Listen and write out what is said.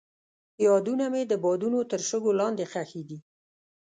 یادونه مې د بادونو تر شګو لاندې ښخې دي.